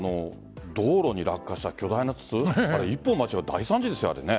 道路に落下した巨大な筒一歩間違えたら大惨事ですよね。